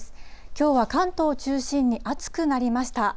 きょうは関東を中心に暑くなりました。